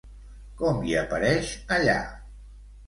Com hi apareix allà?